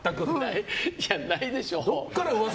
いや、ないでしょ。